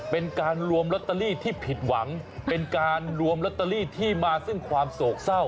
เป็นการรวมลอตเตอรี่ที่ผิดหวังเป็นการรวมลอตเตอรี่ที่มาซึ่งความโศกเศร้า